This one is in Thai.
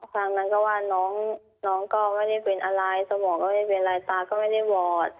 ทางนั้นก็ว่าน้องน้องก็ไม่ได้เป็นอะไรสมองก็ไม่ได้เป็นอะไรตาก็ไม่ได้วอร์ด